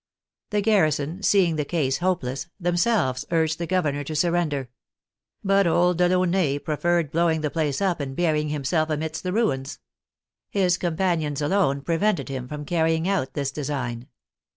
The garrison, seeing the case hopeless, themselves urged the governor to sur render. But old Delaunay preferred blowing the place up and burying himself amidst the ruins. His compan ions alone prevented him from carrying out this design.